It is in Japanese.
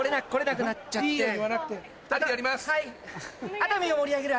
熱海を盛り上げる。